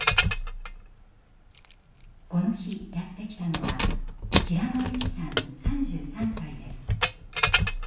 この日やって来たのは平間優希さん３３歳です。